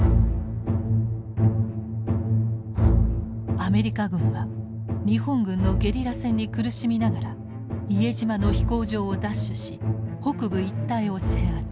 アメリカ軍は日本軍のゲリラ戦に苦しみながら伊江島の飛行場を奪取し北部一帯を制圧。